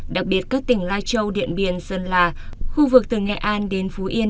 đặc biệt các tỉnh lai châu điện biên sơn la khu vực từ nghệ an đến phú yên